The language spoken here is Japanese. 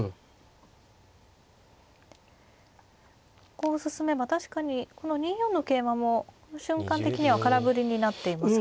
こう進めば確かにこの２四の桂馬もこの瞬間的には空振りになっていますもんね。